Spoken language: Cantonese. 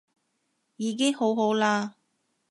已經好好啦